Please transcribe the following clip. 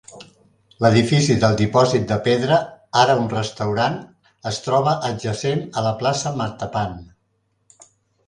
L'edifici del dipòsit de pedra, ara un restaurant, es troba adjacent a la Plaça Mattapan.